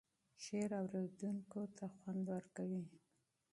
شعر اوریدونکی ته خوند ورکوي.